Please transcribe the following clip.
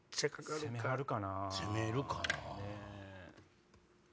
攻めるかなぁ。